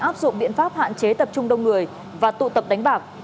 áp dụng biện pháp hạn chế tập trung đông người và tụ tập đánh bạc